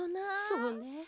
そうね。